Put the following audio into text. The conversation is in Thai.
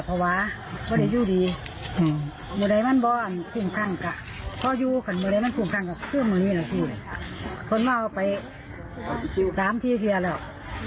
เพิ่มเริ่มกับขุนออกไป๓ทีคีย์แล้ว